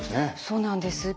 そうなんです。